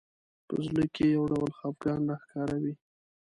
په زړه کې یو ډول خفګان راښکاره وي